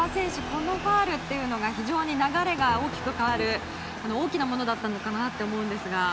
このファウルというのが非常に流れが大きく変わる大きなものだったのかなと思うのですが。